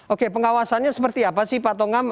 oke pengawasannya seperti apa sih pak tongam